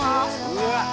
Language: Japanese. うわっ！